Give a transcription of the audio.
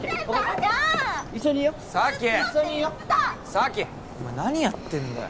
咲お前何やってんだよ。